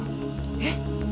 えっ。